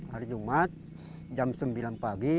hari jumat jam sembilan pagi